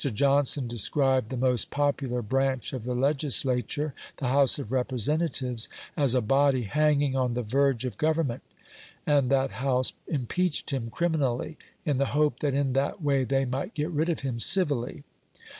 Johnson described the most popular branch of the legislature the House of Representatives as a body "hanging on the verge of government"; and that House impeached him criminally, in the hope that in that way they might get rid of him civilly.